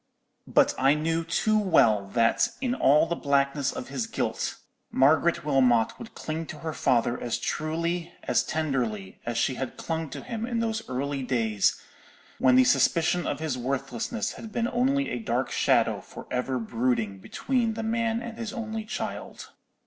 "But I knew too well that, in all the blackness of his guilt, Margaret Wilmot would cling to her father as truly, as tenderly, as she had clung to him in those early days when the suspicion of his worthlessness had been only a dark shadow for ever brooding between the man and his only child.